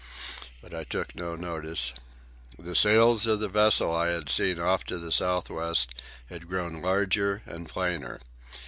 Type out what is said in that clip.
But I took no notice. The sails of the vessel I had seen off to the south west had grown larger and plainer.